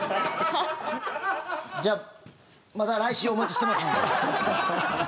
じゃあ、また来週お待ちしてますね。